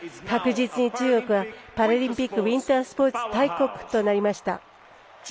確実に中国はパラリンピックウインタースポーツ大国となりました。